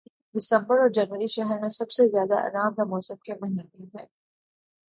دسمبر اور جنوری شہر میں سب سے زیادہ آرام دہ موسم کے مہینے ہیں